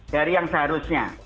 dari yang seharusnya